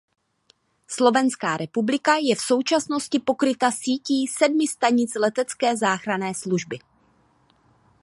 Slovenská republika je v současnosti pokryta sítí sedmi stanic letecké záchranné služby.